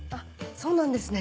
そうなんですね。